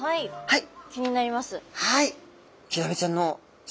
はい。